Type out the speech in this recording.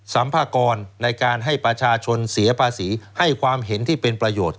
ัมภากรในการให้ประชาชนเสียภาษีให้ความเห็นที่เป็นประโยชน์